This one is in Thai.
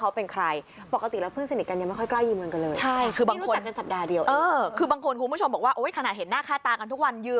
แล้วทัวร์ใครหรือเปล่าทัวร์ใครอยู่